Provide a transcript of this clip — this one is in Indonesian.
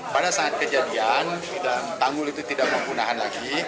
pada saat kejadian tanggul itu tidak menggunakan lagi